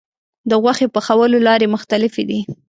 د غوښې پخولو لارې مختلفې دي.